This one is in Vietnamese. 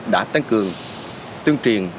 đã tăng cường tương truyền